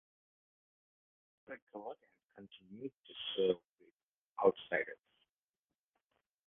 She recovered and continued to serve with the Outsiders.